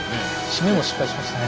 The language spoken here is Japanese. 締めも失敗しましたね。